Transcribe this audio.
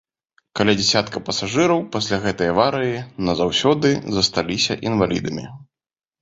Каля дзясятка пасажыраў пасля гэтай аварыі назаўсёды засталіся інвалідамі.